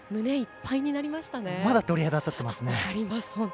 まだ鳥肌、立ってます。